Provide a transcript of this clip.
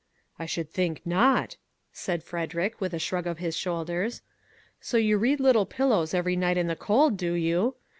" I should think not !" said Frederick, with a shrug of his shoulders. " So you read ' Lit tle Pillows ' every night in the cold, do you